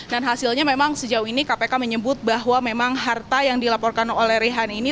hasilnya memang sejauh ini kpk menyebut bahwa memang harta yang dilaporkan oleh rihan ini